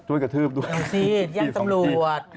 ช่วยกระทืบด้วย